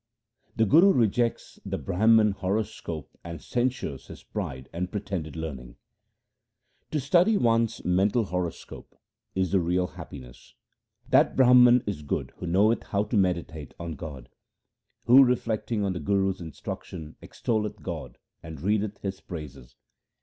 The Guru rejects the Brahman's horoscope and censures his pride and pretended learning :— To study one's mental horoscope 2 is the real happiness. That Brahman is good who knoweth how to meditate on God ; Who reflecting on the Guru's instruction extolleth God and readeth His praises.